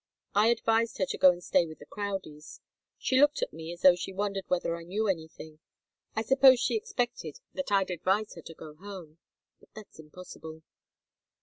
I advised her to go and stay with the Crowdies. She looked at me as though she wondered whether I knew anything. I suppose she expected that I'd advise her to go home. But that's impossible."